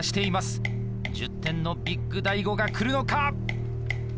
１０点のビッグ大悟が来るのか！？